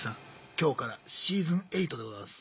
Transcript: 今日からシーズン８でございます。